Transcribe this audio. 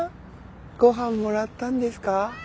ごはんもらったんですか？